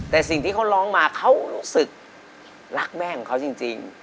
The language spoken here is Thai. แต่สิ่งที่เขาร้องมาเขารู้สึกรักแม่ของเขาจริง